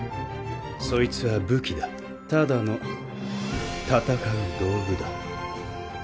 そいつは武器だただの戦う道具だ。